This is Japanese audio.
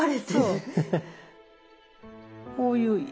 こういう。